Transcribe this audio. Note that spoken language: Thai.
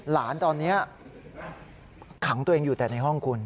หลานตอนนี้ขังตัวเองอยู่แต่ในห้องคุณ